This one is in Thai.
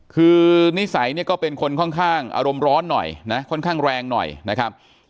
คือนิสัยเนี่ยก็เป็นคนค่อนข้างอารมณ์ร้อนหน่อยนะค่อนข้างแรงหน่อยนะครับ